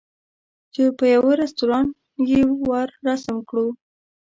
چې په یوه رستوران یې وو رسم کړو.